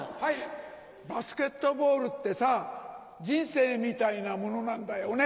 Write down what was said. バスケットボールってさ人生みたいなものなんだよね。